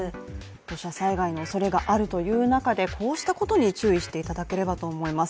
土砂災害のおそれがあるという中でこうしたことに注意していただければと思います。